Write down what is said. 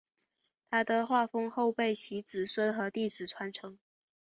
他的画风后被其子孙和弟子传承。